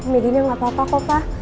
mereka gini gak apa apa kok pak